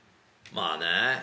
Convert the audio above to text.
まあね